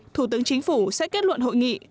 thủ tướng chính phủ sẽ kết luận hội nghị